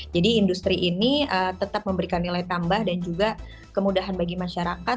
jadi industri ini tetap memberikan nilai tambah dan juga kemudahan bagi masyarakat